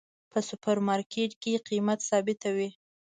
په سوپر مرکیټ کې قیمت ثابته وی